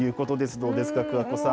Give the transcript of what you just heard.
どうですか、桑子さん。